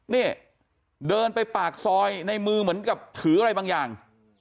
นี่เดินไปปากซอยในมือเหมือนกับถืออะไรบางอย่าง